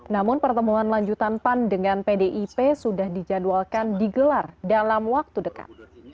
namun pertemuan lanjutan pan dengan pdip sudah dijadwalkan digelar dalam waktu dekat